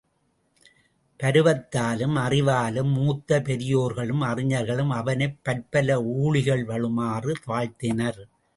பருவத்தாலும் அறிவாலும் மூத்த பெரியோர்களும் அறிஞர்களும் அவனைப் பற்பல ஊழிகள் வாழுமாறு வாழ்த்தினர்.